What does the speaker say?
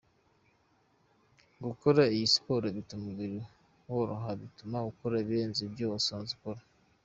Gukora iyi siporo bituma umubiri woroha bituma akora ibirenze ibyo asanzwe akora.